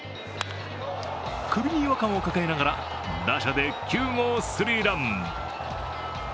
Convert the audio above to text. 首に違和感を抱えながら打者で９号スリーラン。